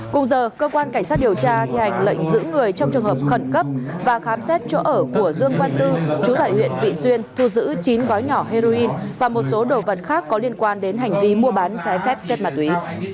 cùng giờ cơ quan cảnh sát điều tra thi hành lệnh giữ người trong trường hợp khẩn cấp và khám xét chỗ ở của dương văn tư trú tại huyện vị xuyên thu giữ chín gói nhỏ heroin và một số đồ vật khác có liên quan đến hành vi mua bán trái phép chất ma túy